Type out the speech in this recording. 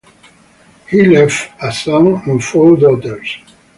He left a son and four daughters.